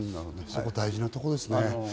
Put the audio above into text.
そこ大事なところですね。